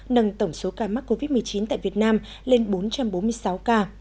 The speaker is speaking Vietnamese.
nâng tổng số ca mắc covid một mươi chín tại việt nam lên bốn trăm bốn mươi sáu ca